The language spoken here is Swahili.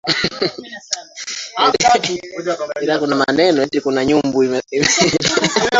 unafikiri umoja wa nchi za afrika